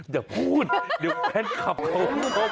อย่าพูดเดี๋ยวแฟนคลับเขา